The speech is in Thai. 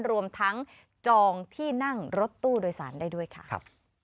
รวมทั้งจองที่นั่งรถตู้โดยสารได้ด้วยค่ะ